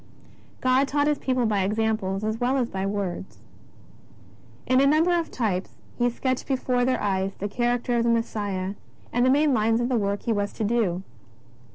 God taught His people by examples as well as by words. In a number of types He sketched before their eyes the character of the Messiah and the main lines of the work He was to do.